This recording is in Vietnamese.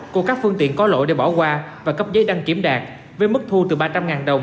của các phương tiện có lỗi để bỏ qua và cấp giấy đăng kiểm đạt với mức thu từ ba trăm linh đồng